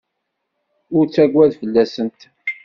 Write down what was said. Ur ttaggad fell-asent.